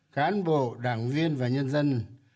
cán bộ đảng viên và nhân dân